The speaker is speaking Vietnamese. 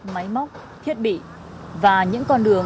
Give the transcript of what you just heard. máy móc thiết bị và những con đường